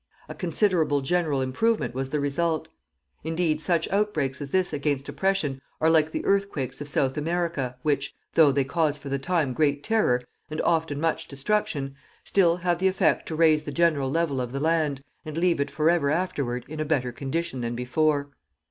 A considerable general improvement was the result. Indeed, such outbreaks as this against oppression are like the earthquakes of South America, which, though they cause for the time great terror, and often much destruction, still have the effect to raise the general level of the land, and leave it forever afterward in a better condition than before.